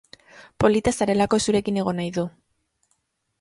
Polita zarelako zurekin egon nahi du.